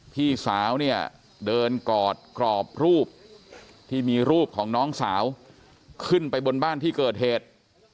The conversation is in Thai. พี่สาวเนี่ยเดินกอดกรอบรูปที่มีรูปของน้องสาวขึ้นไปบนบ้านที่เกิดเหตุ